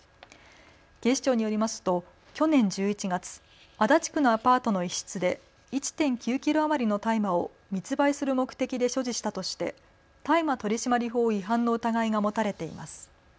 警視庁によりますと去年１１月、足立区のアパートの一室で１．９キロ余りの大麻を密売する目的で所持したとして大麻取締法違反の疑いが持たれています。